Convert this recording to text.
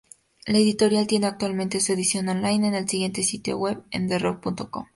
La editorial tiene actualmente su edición "online" en el siguiente sitio web: Enderrock.com.